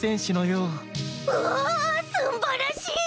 うおすんばらしい！